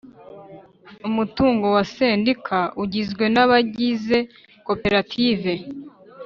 Umutungo wa Sendika ugizwe na bagize koperative